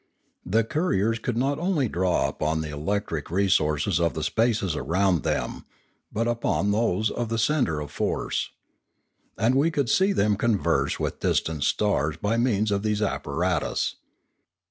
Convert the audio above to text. The couriers could not only draw upon the electric resources of the spaces around them, but upon those of the centre of force. And we could see them converse with distant stars by means of these ap paratus.